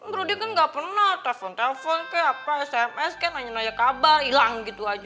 broding kan gak pernah telepon telepon sms nanya nanya kabar hilang gitu aja